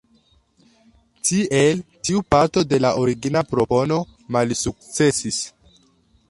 Tiel tiu parto de la origina propono malsukcesis.